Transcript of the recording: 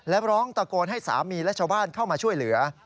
และร้องตะโกนให้สามีและชาวบ้านเข้ามาช่วยเหลือ